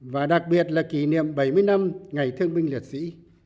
và đặc biệt là kỷ niệm bảy mươi năm ngày thương binh liệt sĩ